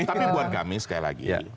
tapi buat kami sekali lagi